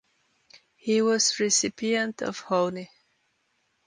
He was Recipient of Hony.